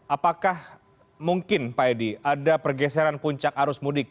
apakah mungkin pak edi ada pergeseran puncak arus mudik